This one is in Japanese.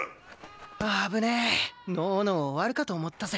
危ねえノーノー終わるかと思ったぜ。